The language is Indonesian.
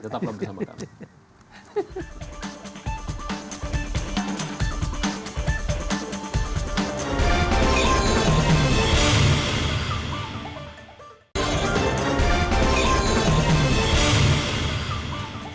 tetaplah bersama kami